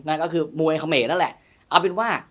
นั่นก็คือมวยเขมรนั่นแหละเอาเป็นว่า